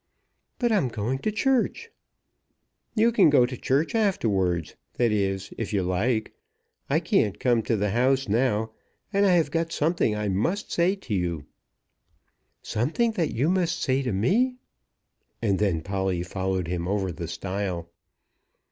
"But I'm going to church." "You can go to church afterwards; that is, if you like. I can't come to the house now, and I have got something that I must say to you." "Something that you must say to me!" And then Polly followed him over the stile.